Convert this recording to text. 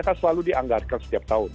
kan selalu dianggarkan setiap tahun